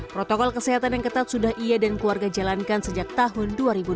protokol kesehatan yang ketat sudah ia dan keluarga jalankan sejak tahun dua ribu dua puluh